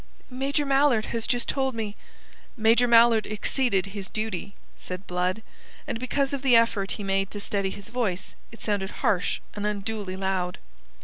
Major Mallard has just told me...." "Major Mallard exceeded his duty," said Blood, and because of the effort he made to steady his voice it sounded harsh and unduly loud.